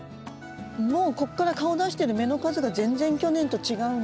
もうここから顔を出している芽の数が全然去年と違うので。